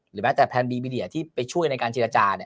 แม้แต่แพลนบีบีเดียที่ไปช่วยในการเจรจา